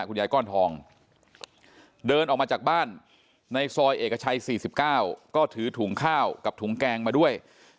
ก้อนทองเดินออกมาจากบ้านในซอยเอกชัย๔๙ก็ถือถุงข้าวกับถุงแกงมาด้วย